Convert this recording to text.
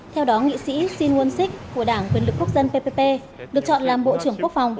theo đó nghị sĩ shin won sik của đảng quyền lực quốc dân ppp được chọn làm bộ trưởng quốc phòng